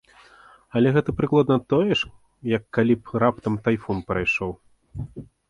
Але гэта прыкладна тое ж, як калі б раптам тайфун прайшоў.